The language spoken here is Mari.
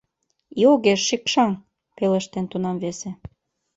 — И огеш шикшаҥ! — пелештен тунам весе.